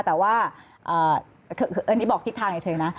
แต่ว่าอันนี้บอกทิศทางในเชิงนะ